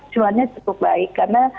cuannya cukup baik karena